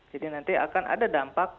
jadi nanti akan ada dampak